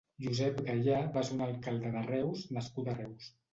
Josep Gayà va ser un alcalde de Reus nascut a Reus.